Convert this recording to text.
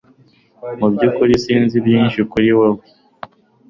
Mu byukuri sinzi byinshi kuri wewe